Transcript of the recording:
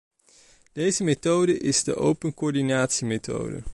Deze methode is de open coördinatiemethode.